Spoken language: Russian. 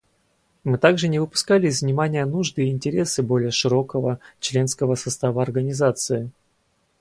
Мы также не выпускали из внимания нужды и интересы более широкого членского состава Организации.